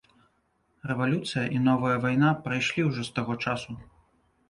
Рэвалюцыя і новая вайна прайшлі ўжо з таго часу.